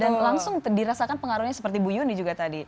dan langsung dirasakan pengaruhnya seperti bu yuni juga tadi